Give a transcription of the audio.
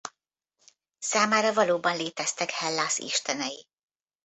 Számára valóban léteztek Hellász istenei.